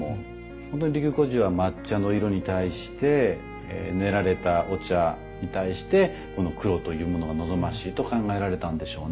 本当に利休居士は抹茶の色に対して練られたお茶に対してこの黒というものが望ましいと考えられたんでしょうね。